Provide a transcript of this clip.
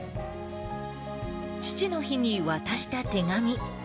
父の日に渡した手紙。